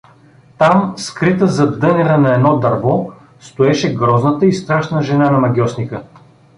Там, скрита зад дънера на едно дърво, стоеше грозната и страшна жена на магьосника.